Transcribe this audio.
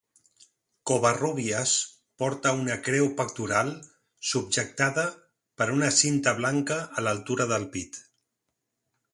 Covarrubias porta una creu pectoral subjectada per una cinta blanca a l'altura del pit.